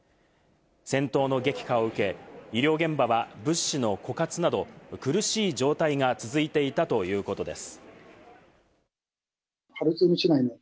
戦闘の激化を受け、医療現場は物資の枯渇など、苦しい状態が続いていたということです。